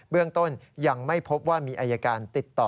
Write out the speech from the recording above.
เรื่องต้นยังไม่พบว่ามีอายการติดต่อ